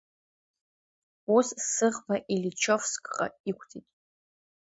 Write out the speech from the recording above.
Ус, сыӷба Ильичовскҟа иқәҵит.